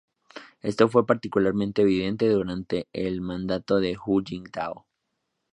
Esto fue particularmente evidente durante el mandato de Hu Jintao.